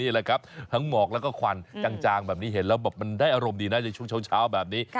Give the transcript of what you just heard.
แหละครับทั้งหมอกแล้วก็ควันจางแบบนี้เห็นแล้วแบบมันได้อารมณ์ดีนะในช่วงเช้าแบบนี้